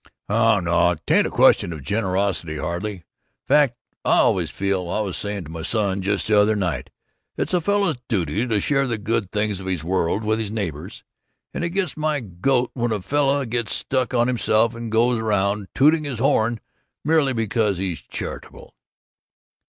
"Oh, no, 'tain't a question of generosity, hardly. Fact, I always feel I was saying to my son just the other night it's a fellow's duty to share the good things of this world with his neighbors, and it gets my goat when a fellow gets stuck on himself and goes around tooting his horn merely because he's charitable."